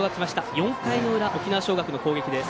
４回の裏、沖縄尚学の攻撃です。